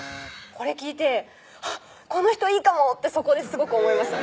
これ聴いてあっこの人いいかもってそこですごく思いました